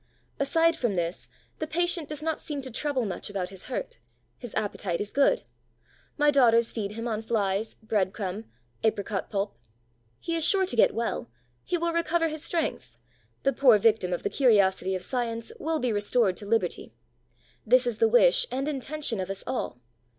Aside from this, the patient does not seem to trouble much about his hurt; his appetite is good. My daughters feed him on Flies, bread crumb, apricot pulp. He is sure to get well; he will recover his strength; the poor victim of the curiosity of science will be restored to liberty. This is the wish and intention of us all.